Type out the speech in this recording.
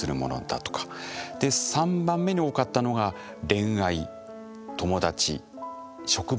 で３番目に多かったのが恋愛・友達・職場。